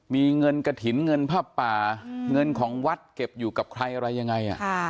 มีเงินกระถิ่นเงินผ้าป่าเงินของวัดเก็บอยู่กับใครอะไรยังไง